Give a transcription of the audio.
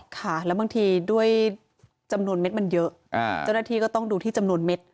ค่ะแล้วบางทีด้วยจำนวนเม็ดมันเยอะเจ้าหน้าที่ก็ต้องดูที่จำนวนเม็ด